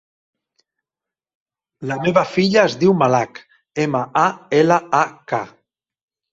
La meva filla es diu Malak: ema, a, ela, a, ca.